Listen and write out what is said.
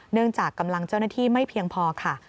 จากกำลังเจ้าหน้าที่ไม่เพียงพอค่ะ